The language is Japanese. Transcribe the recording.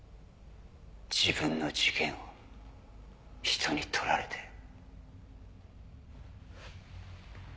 自分の事件をひとに取られて。